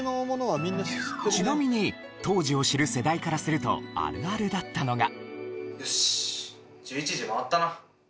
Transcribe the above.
ちなみに当時を知る世代からするとあるあるだったのが。